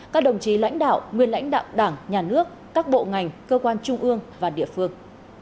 các đồng chí lãnh đạo nguyên lãnh đạo đảng nhà nước các bộ ngành cơ quan trung ương và địa phương